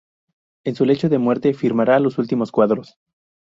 En su lecho de muerte firmará los últimos cuadros.